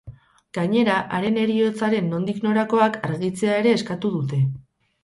Gainera, haren heriotzaren nondik norakoak argitzea ere eskatu dute.